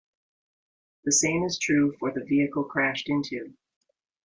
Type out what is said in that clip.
The same is true for the vehicle crashed into.